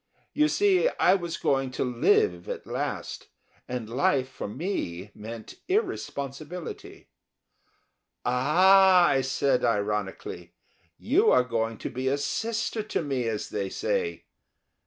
You see, I was going to live at last, and life for me meant irresponsibility. "Ah!" I said, ironically, "you are going to be a sister to me, as they say."